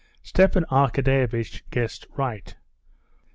Stepan Arkadyevitch guessed right.